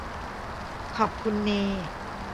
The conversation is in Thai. ขอบคุณเน